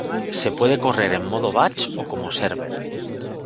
Se puede correr en modo batch o como server.